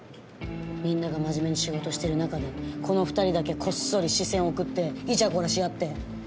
みんなが真面目に仕事してる中でこの２人だけこっそり視線を送ってイチャコラし合って。